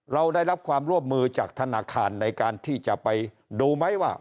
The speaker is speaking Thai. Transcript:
เราได้รับความร่วมมือจากธนาคารในการที่จะไปดูไหมว่า